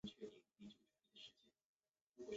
墨西哥地震预警系统采用异地预警模式。